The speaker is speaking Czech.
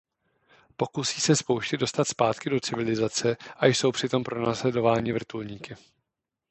Pokusí se z pouště dostat zpátky do civilizace a jsou přitom pronásledováni vrtulníky.